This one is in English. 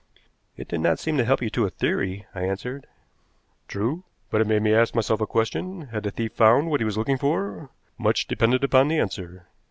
"It did not seem to help you to a theory," I answered. "True. But it made me ask myself a question. Had the thief found what he was looking for? Much depended upon the answer.